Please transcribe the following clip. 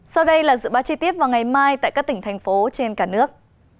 sau đây là dự báo chi tiết vào ngày mai tại các tỉnh thành phố trên cả nước